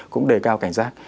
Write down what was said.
cũng đề cao cảnh giác